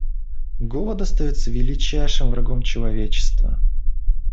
Голод остается величайшим врагом человечества.